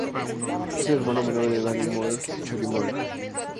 Es el hermano menor de Danny Moir y Charlie Moir.